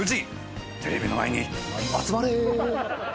テレビの前に集まれ！